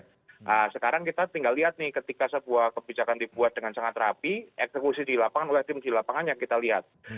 nah sekarang kita tinggal lihat nih ketika sebuah kebijakan dibuat dengan sangat rapi eksekusi di lapangan oleh tim di lapangan yang kita lihat